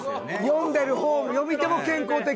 読んでる方読み手も健康的。